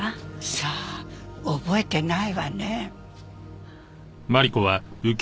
さあ覚えてないわね。